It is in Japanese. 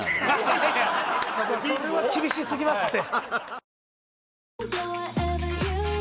それは厳しすぎますって